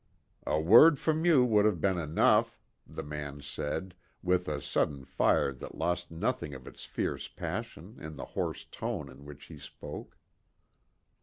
"A word from you would have been enough," the man said, with a sudden fire that lost nothing of its fierce passion in the hoarse tone in which he spoke.